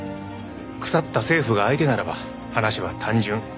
腐った政府が相手ならば話は単純。